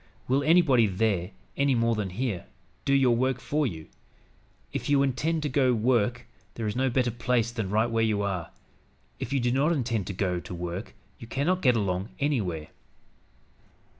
Will anybody there, any more than here, do your work for you? If you intend to go to work, there is no better place than right where you are; if you do not intend to go to work, you cannot get along anywhere.